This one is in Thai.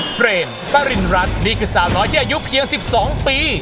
เปรมปริณรัฐนี่คือสาวน้อยที่อายุเพียง๑๒ปี